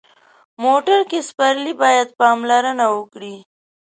موټر کې سپرلي باید پاملرنه وکړي.